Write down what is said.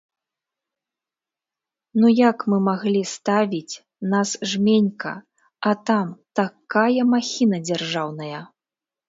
Ну як мы маглі ставіць, нас жменька, а там такая махіна дзяржаўная?!